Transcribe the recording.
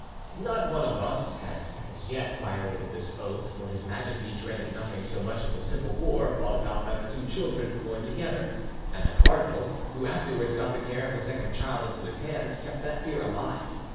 "'Not one of us has as yet violated his oath; for His Majesty dreaded nothing so much as a civil war brought about by the two children born together, and the cardinal, who afterwards got the care of the second child into his hands, kept that fear alive.